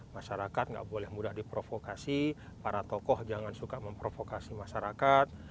masyarakat nggak boleh mudah diprovokasi para tokoh jangan suka memprovokasi masyarakat